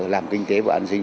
làm kinh tế và an sinh